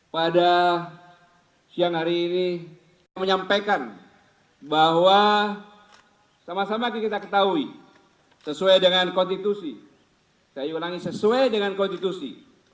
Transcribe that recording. pada siang hari ini saya menyampaikan bahwa sama sama kita ketahui sesuai dengan konstitusi saya ulangi sesuai dengan konstitusi